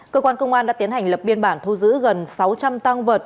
cơ quan công an đã tiến hành lập biên bản thu giữ gần sáu trăm linh tăng vật